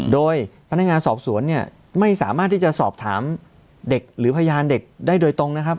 โดยพนักงานสอบสวนเนี่ยไม่สามารถที่จะสอบถามเด็กหรือพยานเด็กได้โดยตรงนะครับ